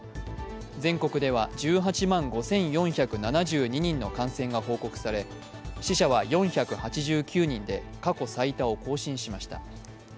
全国では１８万５４７２人の感染が報告され死者は４８９人で、過去最多を更新しました。